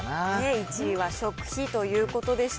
１位は食費ということでした。